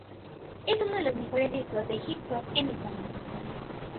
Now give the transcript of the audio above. Es uno de los mejores discos de hip-hop en español.